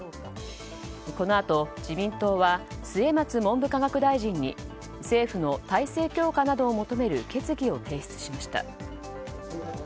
このあと、自民党は末松文部科学大臣に政府の体制強化などを求める決議を提出しました。